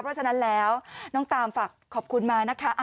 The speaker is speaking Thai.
เพราะฉะนั้นแล้วน้องตามฝากขอบคุณมานะคะ